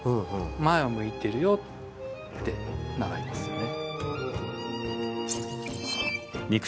前を向いてるよって習いますよね。